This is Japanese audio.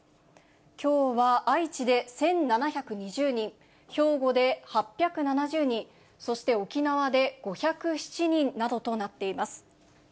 きょうは愛知で１７２０人、兵庫で８７０人、そして沖縄で５０７人などとなっています。